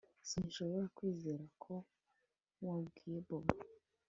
Sinshobora kwizera ko wabwiye Bobo